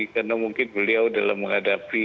karena mungkin beliau dalam menghadapi